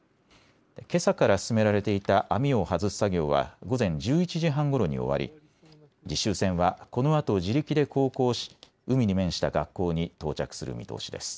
けさから進められていた網を外す作業は午前１１時半ごろに終わり、実習船はこのあと自力で航行し海に面した学校に到着する見通しです。